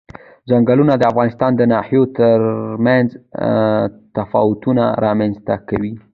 ځنګلونه د افغانستان د ناحیو ترمنځ تفاوتونه رامنځ ته کوي.